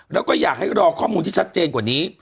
แล้วก็อยากให้รอข้อมูลที่ชัดเจนกว่านี้